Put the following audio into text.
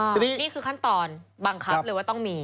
นี่คือขั้นตอนบังคับเลยว่าต้องมี